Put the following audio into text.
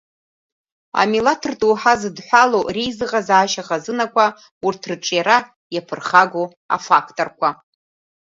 Амилаҭ рдоуҳа зыдҳәалоу реизыҟазаашьа хазынақәа, урҭ рыҿиара иаԥырхагоу афакторқәа.